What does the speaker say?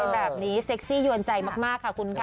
แบบนี้เซ็กซี่ยวนใจมากค่ะคุณค่ะ